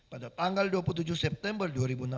pada tanggal dua puluh tujuh september dua ribu enam belas